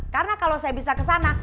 karena kalau saya bisa kesana